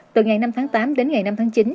từ ngày năm tháng tám đến ngày năm tháng chín